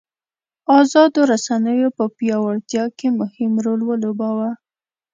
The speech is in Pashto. ازادو رسنیو په پیاوړتیا کې مهم رول ولوباوه.